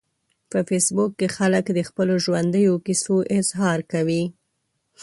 په فېسبوک کې خلک د خپلو ژوندیو کیسو اظهار کوي